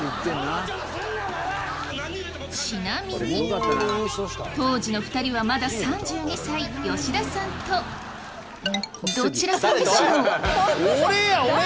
ちなみに当時の２人はまだ３２歳吉田さんとどちらさんでしょう？